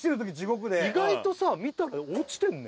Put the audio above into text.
意外とさ見たら落ちてるね